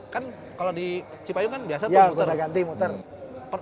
kan kalo di cipayu kan biasa tuh muter